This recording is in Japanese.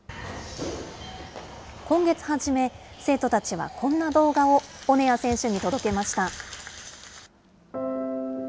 今月初め、生徒たちはこんな動画をオネア選手に届けました。